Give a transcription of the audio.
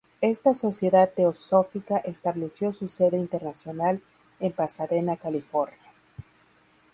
Esta Sociedad Teosófica estableció su Sede Internacional en Pasadena, California.